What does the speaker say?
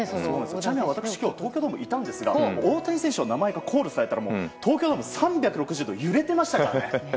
ちなみに私、今日東京ドームにいたんですが大谷選手の名前がコールされたら東京ドーム３６０度、揺れてましたからね。